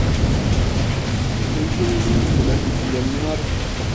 Se distribuyen por las Antillas menores.